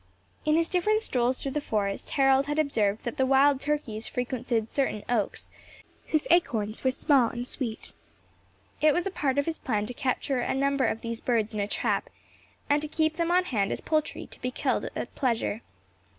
In his different strolls through the forest, Harold had observed that the wild turkeys frequented certain oaks, whose acorns were small and sweet. It was part of his plan to capture a number of these birds in a trap, and to keep them on hand as poultry, to be killed at pleasure.